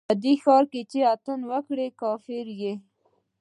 په دې ښار کښې چې اتڼ وکړې، کافر يې